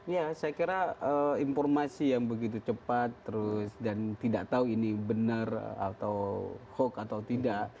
ya saya kira informasi yang begitu cepat terus dan tidak tahu ini benar atau hoax atau tidak